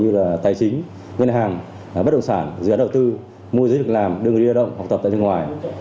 như là tài chính nguyên hàng bất động sản dự án đầu tư mua dưới lực làm đưa người đi đa động học tập tại nước ngoài